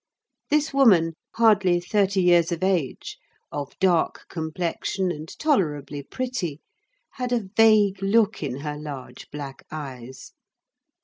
This woman, hardly thirty years of age, of dark complexion and tolerably pretty, had a vague look in her large black eyes.